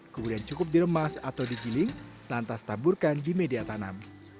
kemudian cukup diremas atau digiling lantas taburkan di media tanam